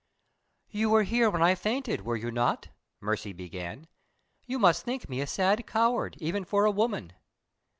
"You were here when I fainted, were you not?" Mercy began. "You must think me a sad coward, even for a woman."